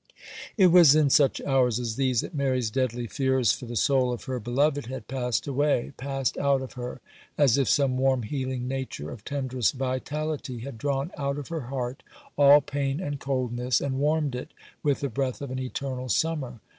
It was in such hours as these that Mary's deadly fears for the soul of her beloved had passed away, passed out of her, as if some warm healing nature of tenderest vitality had drawn out of her heart all pain and coldness, and warmed it with the breath of an eternal summer.